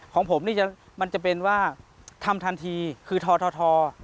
ของผมนี่มันจะเป็นว่าทำทันทีคือทท